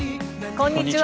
こんにちは。